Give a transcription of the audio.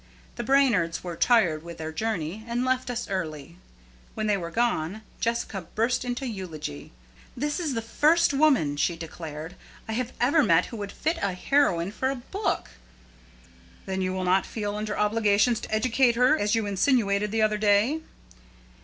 The Brainards were tired with their journey, and left us early. When they were gone, Jessica burst into eulogy. "That is the first woman," she declared, "I ever met who would make a fit heroine for a book." "Then you will not feel under obligations to educate her, as you insinuated the other day?"